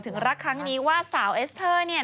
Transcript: รักครั้งนี้ว่าสาวเอสเตอร์เนี่ย